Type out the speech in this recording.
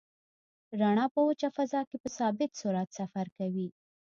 رڼا په وچه فضا کې په ثابت سرعت سفر کوي.